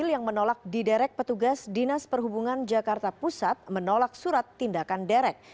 yang menolak diderek petugas dinas perhubungan jakarta pusat menolak surat tindakan derek